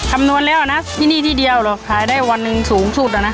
คำนวณแล้วนะที่นี่ที่เดียวหรอกขายได้วันหนึ่งสูงสุดอ่ะนะ